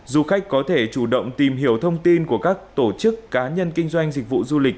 du khách có thể chủ động tìm hiểu thông tin của các tổ chức cá nhân kinh doanh dịch vụ du lịch